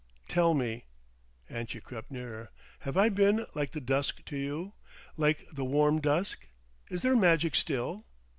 Tell me," and she crept nearer, "have I been like the dusk to you, like the warm dusk? Is there magic still?